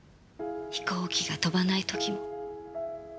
飛行機が飛ばない時も。